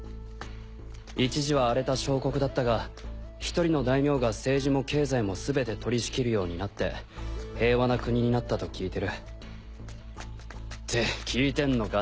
一時は荒れた小国だったが１人の大名が政治も経済もすべて取り仕切るようになって平和な国になったと聞いてる。って聞いてんのか？